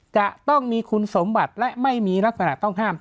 จะต้องมีคุณสมบัติและไม่มีลักษณะต้องห้าม